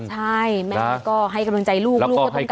ใช่แม่ก็ให้กำลังใจลูกลูกก็ต้องการ